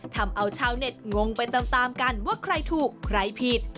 ทำเอาชาวเน็ตงงไปตามกันว่าใครถูกใครผิด